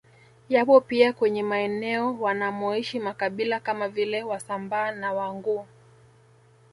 Yapo pia kwenye maeneo wanamoishi makabila kama vile Wasambaa na Wanguu